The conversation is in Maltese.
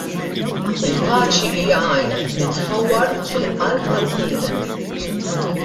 Il-paċi hija għajn li tfawwar mill-qalb tal-bniedem.